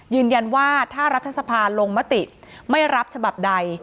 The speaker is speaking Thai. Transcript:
ยืนยันว่าถ้ารัฐสภาลงมติไม่รับฉบับใด